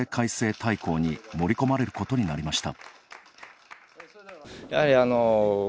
大網に盛り込まれることになりました。